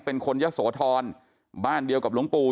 เป็นคนยะโสธรบ้านเดียวกับหลวงปู่